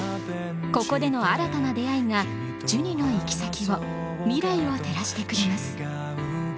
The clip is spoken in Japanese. ここでの新たな出会いがジュニの行き先を未来を照らしてくれます。